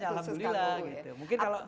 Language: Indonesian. ya makanya alhamdulillah